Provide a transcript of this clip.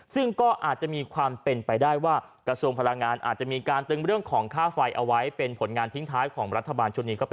ซึ่งก็อาจจะมีความเป็นไปได้ว่ากระทรวงพลังงานอาจจะมีการตึงเรื่องของค่าไฟเอาไว้เป็นผลงานทิ้งท้ายของรัฐบาลชุดนี้ก็เป็น